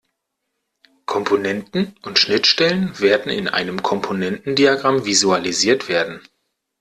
Komponenten und Schnittstellen werden in einem Komponentendiagramm visualisiert werden.